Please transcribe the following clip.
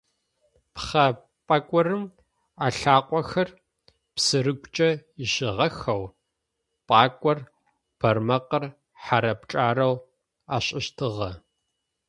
Пхъэ пӏэкӏорым ылъакъохэр псырыгукӏэ ищыгъэхэу, пӏэкӏор бармэкъыр хъэрэ-пкӏарэу ашӏыщтыгъэ.